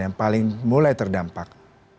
yang paling mulai terdampak